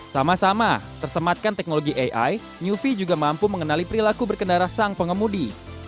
sama tersematkan teknologi ai new v juga mampu mengenali perilaku berkendara sang pengemudi